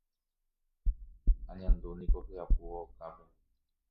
Añandúniko hyapúva okápe.